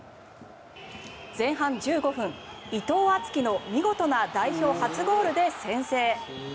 前半１５分、伊藤敦樹の見事な代表初ゴールで先制。